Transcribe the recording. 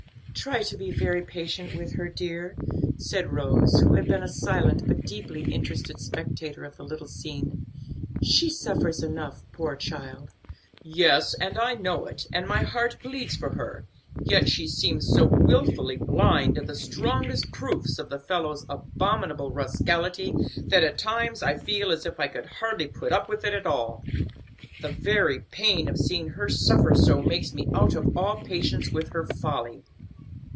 "Try to be very patient with her, dear," said Rose, who had been a silent, but deeply interested spectator of the little scene; "she suffers enough, poor child!" "Yes, I know it, and my heart bleeds for her; yet she seems so wilfully blind to the strongest proofs of the fellow's abominable rascality that at times I feel as if I could hardly put up with it at all. The very pain of seeing her suffer so makes me out of all patience with her folly."